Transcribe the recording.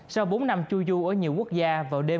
sau bốn năm chu du ở nhiều quốc gia vào đêm